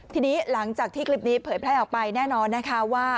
ทีนี้หลังจากที่คลิปนี้เผยแพร่ออกไปแน่นอนนะคะว่า